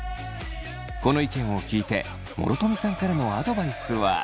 この意見を聞いて諸富さんからのアドバイスは。